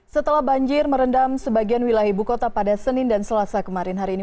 setelah banjir merendam sebagian wilayah ibu kota pada senin dan selasa kemarin hari ini